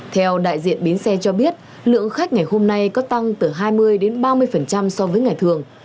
theo đại diện bến xe cho biết lượng khách ngày hôm nay có tăng từ hai mươi ba mươi so với ngày thường